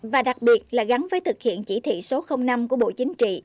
và đặc biệt là gắn với thực hiện chỉ thị số năm của bộ chính trị